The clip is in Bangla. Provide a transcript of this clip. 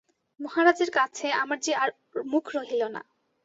মহারাজের কাছে আমার যে আর মুখ রহিল না!